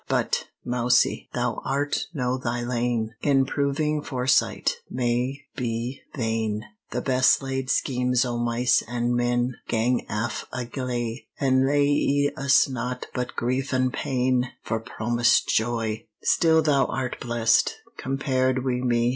But, Mousie, thou art no thy lane, In proving foresight may be vain: The best laid schemes o' mice an' men, Gang aft a gley, An* lea'e us naught but grief an* pain, For promised joy! Still thou art blest, compared wi' me!